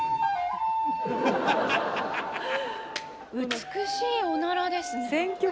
美しいおならですね。